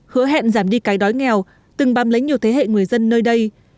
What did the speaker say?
hứa hẹn giảm đi cái đói nghèo từng băm lấy nhiều thế hệ người dân nơi đây